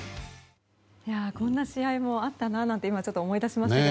こんな試合もあったななんて今思い出しましたが。